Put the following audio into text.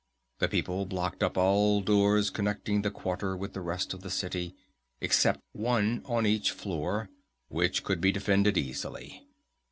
The people blocked up all doors connecting the quarter with the rest of the city, except one on each floor, which could be defended easily.